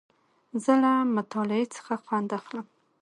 زه له مطالعې څخه خوند اخلم.